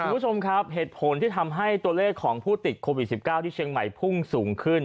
คุณผู้ชมครับเหตุผลที่ทำให้ตัวเลขของผู้ติดโควิด๑๙ที่เชียงใหม่พุ่งสูงขึ้น